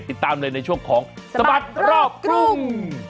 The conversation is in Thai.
ติดตามเลยในช่วงของสบัดรอบกรุง